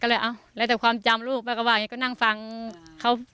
ก็เลยเอาแล้วแต่ความจำลูกป้าก็ว่าอย่างนี้ก็นั่งฟังเขา